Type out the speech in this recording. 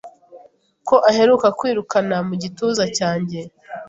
Ko aheruka kwirukana mu gituza cyanjye